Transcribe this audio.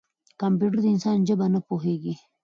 کمپیوټر د انسان ژبه نه پوهېږي.